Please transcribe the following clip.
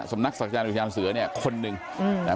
สำนักศรีศักดิ์ศรีในอุทยานเสือเนี่ยคนหนึ่งอืมนะฮะ